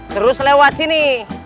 terus lewat sini